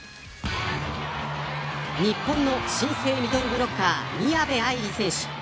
日本の新生ミドルブロッカー宮部藍梨選手。